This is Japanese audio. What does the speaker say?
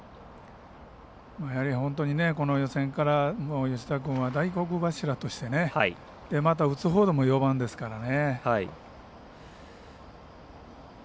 本当に予選から吉田君は大黒柱としてまた打つほうでも４番ですからね。